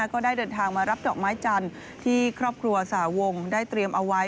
ก็ได้เดินทางมารับดอกไม้จันทร์ที่ครอบครัวสาวงได้เตรียมเอาไว้